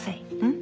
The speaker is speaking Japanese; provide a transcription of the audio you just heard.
ん？